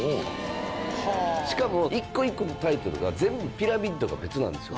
しかも、１個１個のタイトルが全部ピラミッドが別なんですよ。